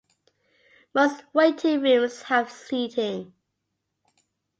Most waiting rooms have seating.